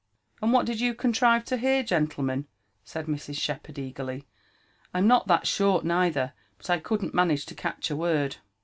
.'' And what did you conlriva to bear, gentlemen f said Mrs. Shep herd eagerly. '' I'm not that shoit neither, bat I couldn't managd to catch a word."